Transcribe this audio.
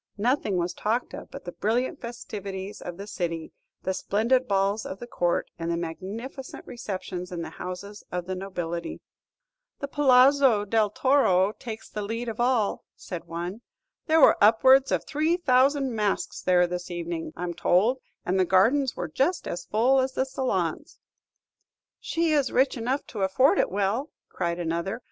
Nothing was talked of but the brilliant festivities of the city, the splendid balls of the Court, and the magnificent receptions in the houses of the nobility. "The Palazzo della Torre takes the lead of all," said one. "There were upwards of three thousand masks there this evening, I 'm told, and the gardens were just as full as the salons." "She is rich enough to afford it well," cried another.